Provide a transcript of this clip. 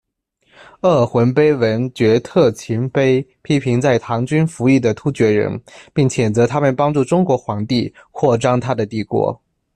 鄂尔浑碑文阙特勤碑批评在唐军服役的突厥人，并谴责他们帮助中国皇帝扩张他的帝国。